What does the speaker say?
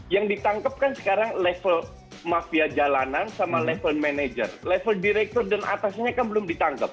yang ditangkap kan sekarang level mafia jalanan sama level manager level direktur dan atasnya kan belum ditangkap